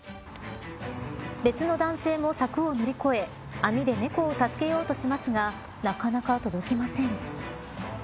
別の男性も柵を乗り越え網で猫を助けようとしますがなかなか届きません。